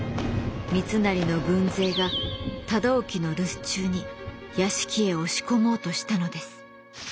三成の軍勢が忠興の留守中に屋敷へ押し込もうとしたのです。